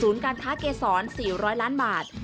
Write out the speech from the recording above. การค้าเกษร๔๐๐ล้านบาท